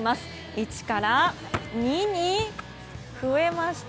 １から２に増えました！